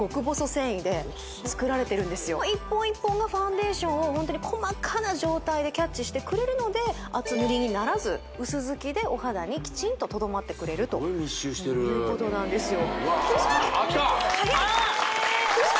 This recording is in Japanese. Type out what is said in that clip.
繊維で作られてるんですよ一本一本がファンデーションをホントに細かな状態でキャッチしてくれるので厚塗りにならず薄付きでお肌にきちんととどまってくれるとすごい密集してるいうことなんですようわあっきた早いえっ